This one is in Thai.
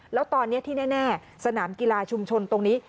แล้วตอนนี้ที่แน่สนามกีฬาชุมชนตรงนี้